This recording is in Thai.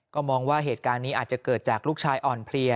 ก็มองว่าเหตุการณ์นี้อาจจะเกิดจากลูกชายอ่อนเพลีย